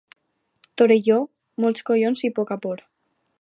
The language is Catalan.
Torelló, molts collons i poca por.